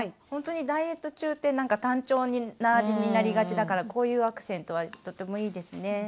本当にダイエット中ってなんか単調な味になりがちだからこういうアクセントはとてもいいですね。